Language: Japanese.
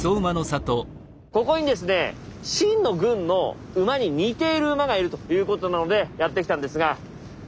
ここにですね秦の軍の馬に似ている馬がいるということなのでやって来たんですが。